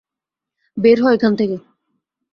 বের হ এখান থেকে।